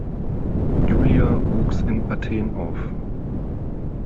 Julija wuchs in Athen auf.